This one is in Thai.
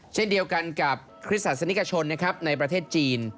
เช่นเดียวกันกับคริสต์ศาสนิกชนในประเทศจีน